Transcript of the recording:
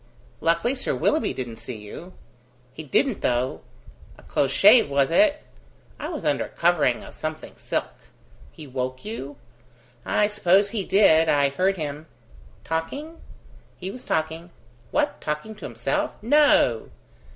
Luckily Sir Willoughby didn't see you." "He didn't, though!" "A close shave, was it?" "I was under a covering of something silk." "He woke you?" "I suppose he did. I heard him." "Talking?" "He was talking." "What! talking to himself?" "No."